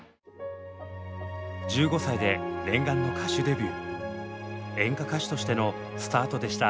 １５歳で念願の歌手デビュー演歌歌手としてのスタートでした。